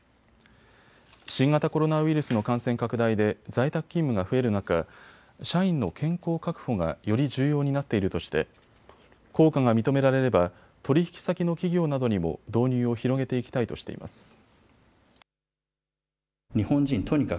新型コロナウイルスの感染拡大で在宅勤務が増える中、社員の健康確保がより重要になっているとして効果が認められれば取引先の企業などにも導入を広げていきたいとしています。